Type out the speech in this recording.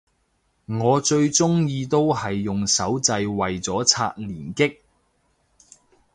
我最鍾意都係用手掣為咗刷連擊